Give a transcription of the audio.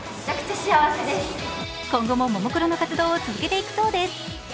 今後も、ももクロの活動を続けていくそうです。